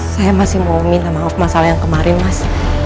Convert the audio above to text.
saya masih mau minta maaf masalah yang kemarin mas